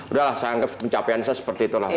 udah lah saya anggap pencapaian saya seperti itulah